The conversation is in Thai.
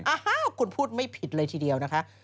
อ้าวคุณพูดไม่ผิดเลยทีเดียวนะคะ